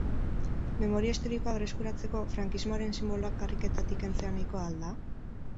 Memoria historikoa berreskuratzeko, frankismoaren sinboloak karriketatik kentzea nahikoa al da?